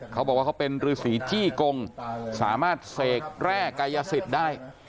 เขาบอกว่าเขาเป็นฤษีจี้กงสามารถเสกแร่กายสิทธิ์ได้